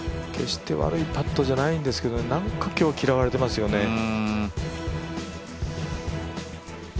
決して悪いパットじゃないんですけどなんか今日嫌われていますよね。